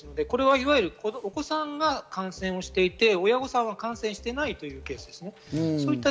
これは、お子さんが感染していて親御さんは感染していないという形です。